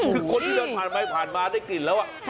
คือคนที่เดินผ่านไปผ่านมาได้กลิ่นแล้ว